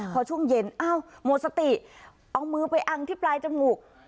พอช่วงเย็นอ้าวหมดสติเอามือไปอังที่ปลายจมูก